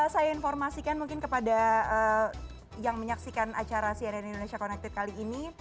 saya informasikan mungkin kepada yang menyaksikan acara cnn indonesia connected kali ini